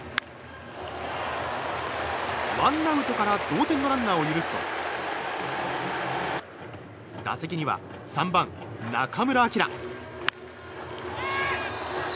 ワンアウトから同点のランナーを許すと打席には３番、中村晃。